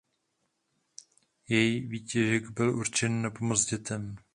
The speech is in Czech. Jej výtěžek byl určený na pomoc dětem.